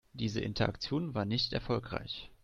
Diese Interaktion war nicht erfolgreich.